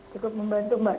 cukup membantu mbak